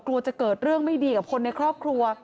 กลัวจะเกิดเรื่องไม่ดีกับคนในครอบครัว